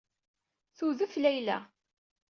Tudef Layla.